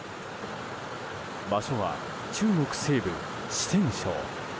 場所は中国西部、四川省。